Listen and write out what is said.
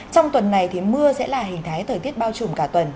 trong tuần này thì mưa sẽ là hình thái thời tiết bao trùm cả tuần